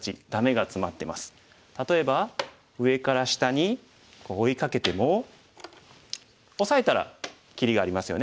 例えば上から下に追いかけてもオサえたら切りがありますよね。